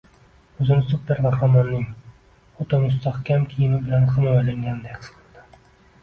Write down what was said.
- O‘zini super qahramonning o‘ta mustahkam kiyimi bilan himoyalangandek his qildi.